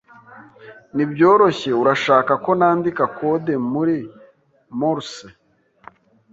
Nibyoroshye, urashaka ko nandika kode muri Morse?